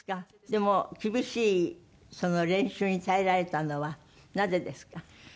でも厳しい練習に耐えられたのはなぜですか？